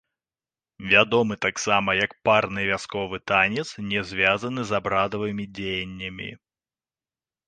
Вядомы таксама як парны вясковы танец, не звязаны з абрадавымі дзеяннямі.